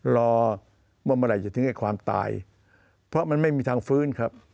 รอว่าเมื่อไหร่จะถึงไอ้ความตายเพราะมันไม่มีทางฟื้นครับ